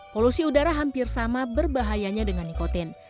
polusi udara hampir sama berbahayanya dengan nikotin